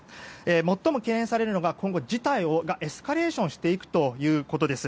最も懸念されるのが今後、事態がエスカレーションをしていくことです。